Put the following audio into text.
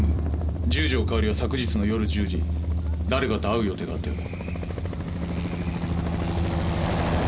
十条かおりは昨日の夜１０時に誰かと会う予定があったようだ。